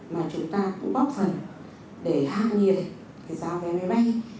mà chúng ta cũng bóp phần để hạ nghiệp cái giá vé máy bay